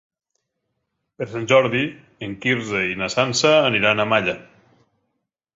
Per Sant Jordi en Quirze i na Sança aniran a Malla.